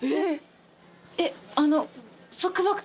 えっあの。